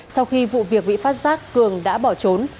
sau khi vụ việc bị phát giác cường đã bỏ trốn